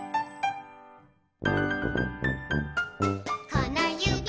「このゆび